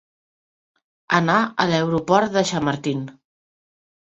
Anar a l'aeroport de Chamartín.